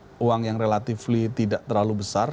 orang dengan uang yang relatifly tidak terlalu besar